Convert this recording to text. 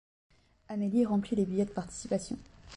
Amélie remplit les billets de participation.